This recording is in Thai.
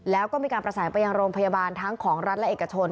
แล้วก็มีการประสานไปยังโรงพยาบาลทั้งของรัฐและเอกชน